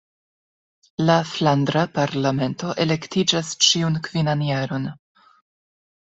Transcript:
La Flandra Parlamento elektiĝas ĉiun kvinan jaron.